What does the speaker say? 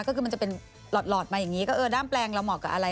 ก็คือมันจะเป็นหลอดมาอย่างนี้ก็เออด้ามแปลงเราเหมาะกับอะไร